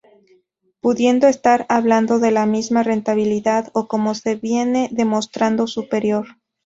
Pudiendo estar hablando de la misma rentabilidad o como se viene demostrando, superior.